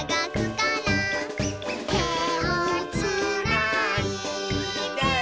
「てをつないで」